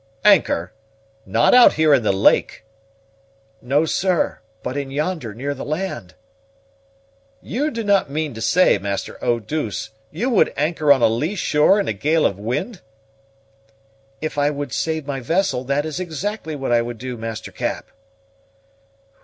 "Anchor! not out here in the lake?" "No, sir; but in yonder, near the land." "You do not mean to say, Master Eau douce, you would anchor on a lee shore in a gale of wind?" "If I would save my vessel, that is exactly what I would do, Master Cap."